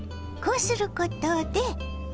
こうすることで。